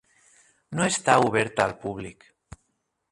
No està oberta al públic.